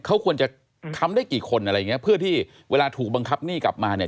เขาควรจะค้ำได้กี่คนอะไรอย่างเงี้ยเพื่อที่เวลาถูกบังคับหนี้กลับมาเนี่ย